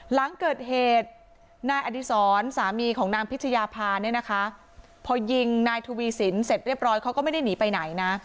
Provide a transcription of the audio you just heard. หลังเกิดเหตุนายอดีศรสามีของนางพิชยาภาเนี่ยนะคะพอยิงนายทวีสินเสร็จเรียบร้อยเขาก็ไม่ได้หนีไปไหนนะ